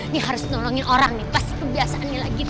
nih harus nolongin orang nih pas kebiasaannya lagi